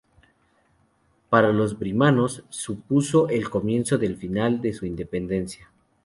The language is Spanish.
Para los birmanos, supuso el comienzo del final de su independencia.